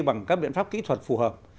bằng các biện pháp kỹ thuật phù hợp